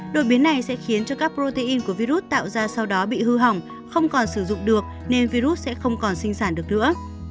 đột biến này sẽ khiến cho các protein của virus tạo ra sau đó bị hư hỏng không còn sử dụng được nên virus sẽ không còn sinh sản được nữa